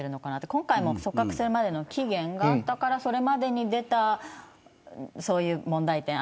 今回も組閣前の期限があったからそれまでに出た問題点